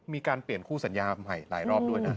มีการเปลี่ยนคู่สัญญาใหม่หลายรอบด้วยนะ